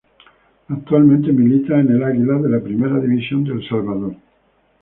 Actualmente milita en el Águila de la Primera División de El Salvador.